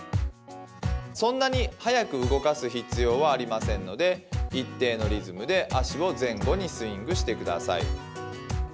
そんなに速く動かす必要はありませんので一定のリズムで足を前後にスイングしてください。